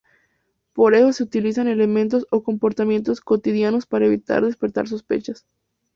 Por eso se utilizan elementos o comportamientos cotidianos para evitar despertar sospechas.